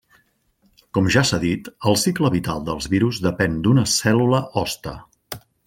Com ja s'ha dit, el cicle vital dels virus depèn d'una cèl·lula hoste.